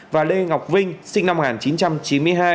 và lê ngọc vinh sinh năm một nghìn chín trăm chín mươi hai